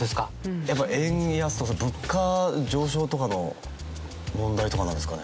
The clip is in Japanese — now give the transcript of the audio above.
やっぱ円安とか物価上昇とかの問題とかなんですかね。